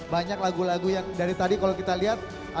banyak lagu lagu yang dari tadi kalau kita lihat